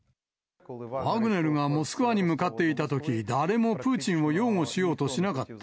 ワグネルがモスクワに向かっていたとき、誰もプーチンを擁護しようとしなかった。